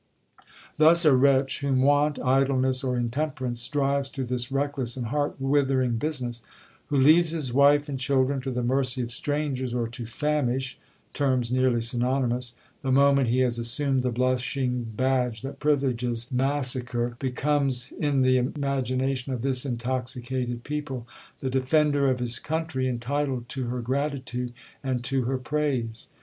'Thus a wretch whom want, idleness, or intemperance, drives to this reckless and heart withering business,—who leaves his wife and children to the mercy of strangers, or to famish, (terms nearly synonimous), the moment he has assumed the blushing badge that privileges massacre, becomes, in the imagination of this intoxicated people, the defender of his country, entitled to her gratitude and to her praise.